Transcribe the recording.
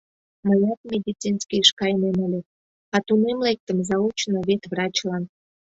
Мыят медицинскийыш кайынем ыле, а тунем лектым заочно ветврачлан.